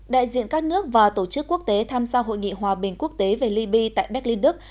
đại diện các nước và tổ chức quốc tế tham gia hội nghị hòa bình quốc tế về libya tại berlin đức